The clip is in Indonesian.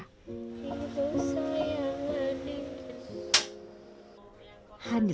itu sayang hadi